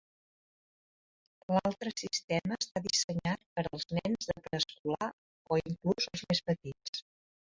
L'altre sistema està dissenyat per als nens de preescolar o inclús els més petits.